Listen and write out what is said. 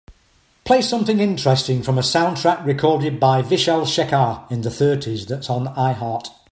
Play something interesting from a soundtrack recorded by Vishal-shekhar in the thirties that's on Iheart